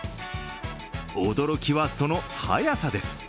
驚きは、その早さです。